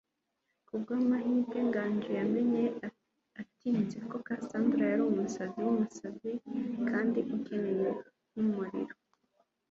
Kubwamahirwe, Nganji yamenye atinze ko Cassandra yari umusazi wumusazi, kandi ukeneye nkumuriro.